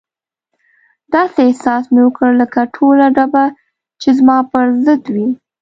داسې احساس مې وکړ لکه ټوله ډبه چې زما پر ضد وي.